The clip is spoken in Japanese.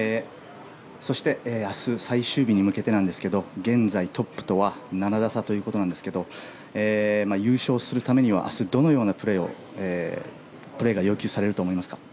そして、明日最終日に向けてなんですが現在、トップとは７打差ということなんですが優勝するためには明日、どのようなプレーが要求されると思いますか？